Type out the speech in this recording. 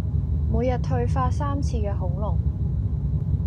每日退化三次嘅恐龍